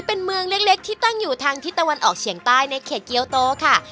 เป็นเมืองเล็กที่ตั้งอยู่ทางทิศตะวันออกเฉียงใต้ในเขตเกียวโตค่ะ